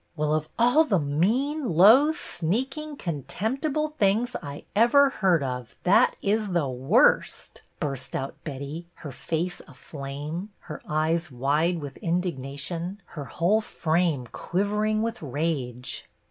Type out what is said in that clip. " Well, of all the mean, low, sneaking, con temptible things I ever heard of that is the worst !" burst out Betty, her face aflame, her eyes wide with indignation, her whole frame quivering with rage.